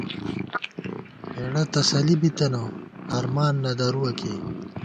ہېڑہ تسلی بِتَنہ ، ہرمان نہ درُوَہ کی